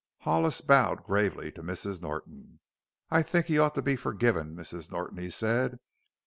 Hollis bowed gravely to Mrs. Norton. "I think he ought to be forgiven, Mrs. Norton," he said.